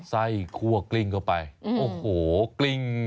ไส้คั่วกลิ้งเข้าไปโอ้โหกลิ้ง